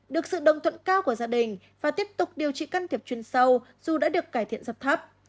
được sự đồng thuận cao của gia đình và tiếp tục điều trị can thiệp chuyên sâu dù đã được cải thiện dập thấp